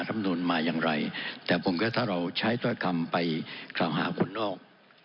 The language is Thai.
ำนวนมาอย่างไรแต่ผมก็ถ้าเราใช้ถ้อยคำไปกล่าวหาคนนอก